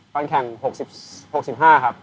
แข่ง๖๕ครับ